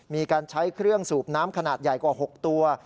มีการใช้เครื่องสูบน้ำขนาดใหญ่กว่า๖ตัว